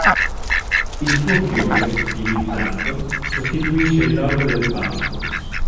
Il suo fiore, stilizzato, costituisce il logo del parco.